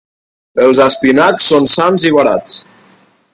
Els espinacs són sans i barats.